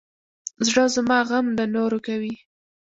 زړه زما غم د نورو کوي.